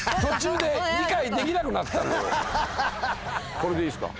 これでいいですか？